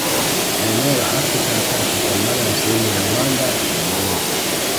Na eneo la Afrika ya kati kwa maana ya sehemu ya Rwanda na Burundi